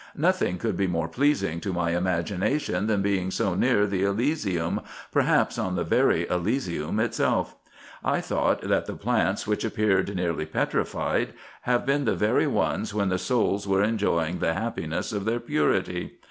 Nothing could be more pleasing to my imagination than being so near the Elysium, perhaps on the very Elysium itself. I thought that the plants, which appeared nearly petrified, have been the very ones when the souls were enjoying the happiness of their purity.